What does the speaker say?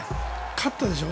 勝ったでしょ。